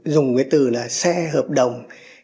dùng cái từ là xe hợp đồng